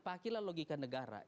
pakilah logika negara